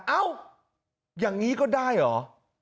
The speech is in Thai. เอ้าอย่างนี้ก็ได้เหรอ